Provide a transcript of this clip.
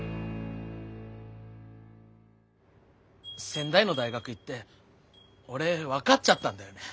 仙台の大学行って俺分かっちゃったんだよね。